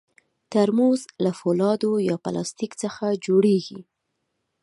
ترموز له فولادو یا پلاستیک څخه جوړېږي.